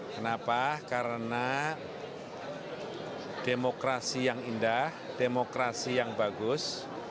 kenapa karena demokrasi yang indah demokrasi yang bagus